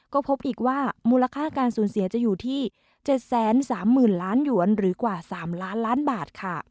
ก็พบอีกว่ามูลค่าการสูญเสียจะอยู่ที่๗๓๐๐๐ล้านหยวนหรือกว่า๓ล้านล้านบาทค่ะ